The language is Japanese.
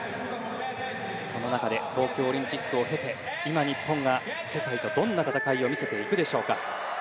その中で東京オリンピックを経て今、日本が世界とどんな戦いを見せていくでしょうか。